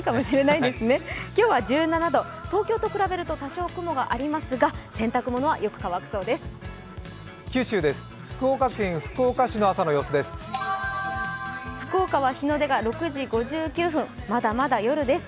今日は１７度、東京と比べると多少雲はありますが洗濯物は、よく乾くそうです。